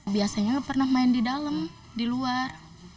biasanya pernah main di dalam di luar